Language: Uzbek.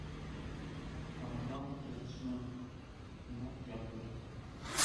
— Hech kimi yo‘q bechoraning